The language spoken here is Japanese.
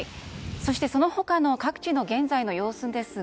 そして、その他の各地の現在の様子です。